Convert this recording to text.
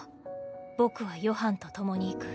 「僕はヨハンと共に行く」。